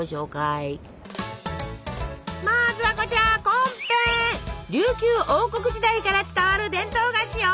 まずはこちら琉球王国時代から伝わる伝統菓子よ。